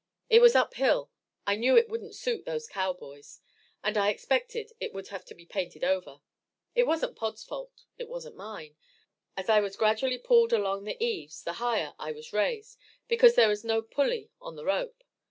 It was up hill. I knew it wouldn't suit those cowboys, and I expected it would have to be painted over. It wasn't Pod's fault, it wasn't mine. As I was gradually pulled along the eaves the higher I was raised, because there was no pulley on the rope.